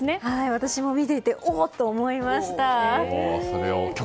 私も見ていておっ！と思いました。